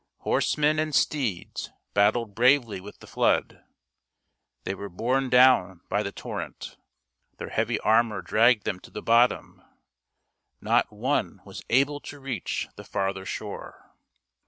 Horsemen and steeds battled bravely with the flood. They were borne down by the torrent; their heavy armor dragged them to the bottom ; not one was able to reach the farther shore.